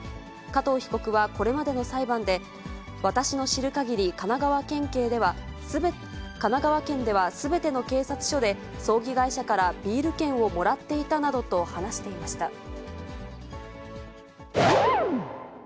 加藤被告はこれまでの裁判で、私の知るかぎり、神奈川県ではすべての警察署で、葬儀会社からビール券をもらっていたなどと話していました。